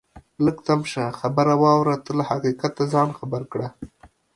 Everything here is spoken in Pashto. لږ تم شه خبره واوره ته له حقیقته ځان خبر کړه